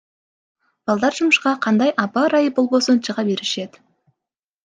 Балдар жумушка кандай аба ырайы болбосун чыга беришет.